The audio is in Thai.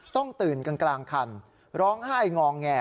ต้องตื่นกลางคันร้องไห้งอแง